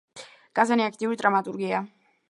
კაზანი აქტიური დრამატურგია.